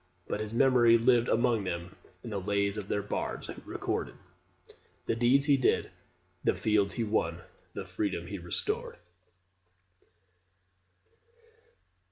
But his memory lived among them in the lays of their bards, who recorded "The deeds he did, the fields he won, The freedom he restored."